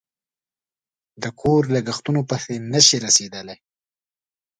د کور لگښتونو پسې نشي رسېدلی